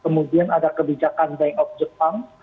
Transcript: kemudian ada kebijakan bank of jepang